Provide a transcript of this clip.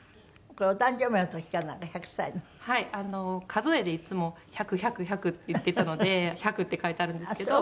数えでいつも「１００１００１００」って言ってたので「１００」って書いてあるんですけど。